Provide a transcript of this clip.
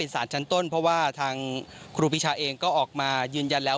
สารชั้นต้นเพราะว่าทางครูปีชาเองก็ออกมายืนยันแล้ว